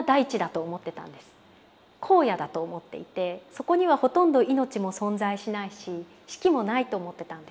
そこにはほとんど命も存在しないし四季もないと思ってたんです。